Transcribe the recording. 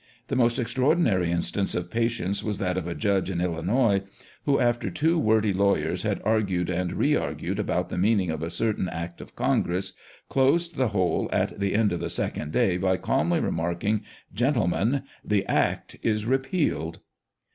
The most extraordinai'y instance of patience was that of a judge in Illinois, who, after two wordy lawyers had argued and re argued about the meaning of a certain Act of Congress, closed the whole at the end of the second day by calmly remarking, " Gentlemen, the Act is repealed